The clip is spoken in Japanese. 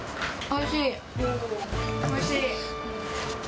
おいしい。